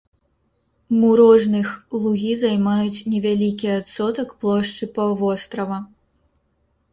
Мурожных лугі займаюць невялікі адсотак плошчы паўвострава.